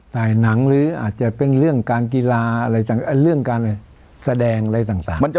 ถ่ายหนังหรืออาจจะเป็นเรื่องการกีฬาเรื่องการแสดงอะไรต่าง